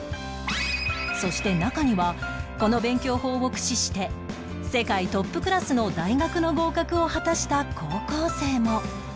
そして中にはこの勉強法を駆使して世界トップクラスの大学の合格を果たした高校生も